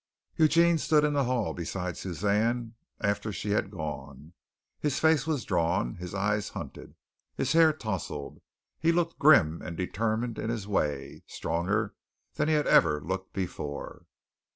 Eugene stood in the hall beside Suzanne after she had gone. His face was drawn, his eyes hunted, his hair tousled. He looked grim and determined in his way, stronger than he had ever looked before.